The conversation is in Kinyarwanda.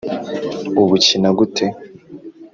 ubukina gute ?